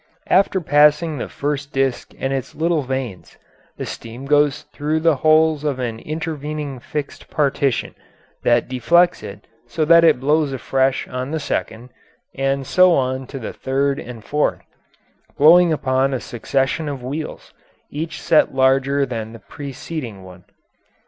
After passing the first disk and its little vanes, the steam goes through the holes of an intervening fixed partition that deflects it so that it blows afresh on the second, and so on to the third and fourth, blowing upon a succession of wheels, each set larger than the preceding one.